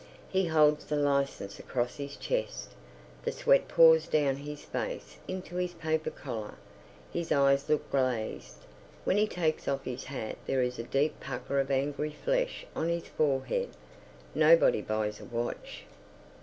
He holds the licence across his chest; the sweat pours down his face into his paper collar; his eyes look glazed. When he takes off his hat there is a deep pucker of angry flesh on his forehead. Nobody buys a watch.